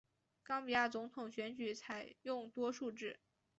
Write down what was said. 冈比亚总统选举采用多数制。